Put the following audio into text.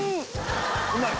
うまい？